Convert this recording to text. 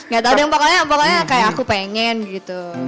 gak tau deng pokoknya pokoknya kayak aku pengen gitu